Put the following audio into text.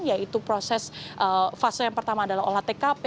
yaitu proses fase yang pertama adalah olah tkp